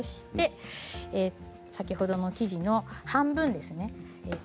先ほどの生地の半分ですね。